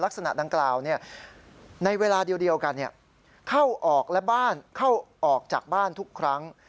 ลักษณะดังกล่าวในเวลาเดียวกันเข้าออกและบ้านเข้าออกจากบ้านทุกครั้ง